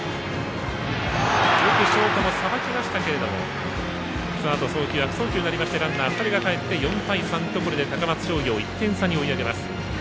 よくショートもさばきましたがそのあと悪送球になりまして２人がかえってこれで高松商業１点差に追い上げます。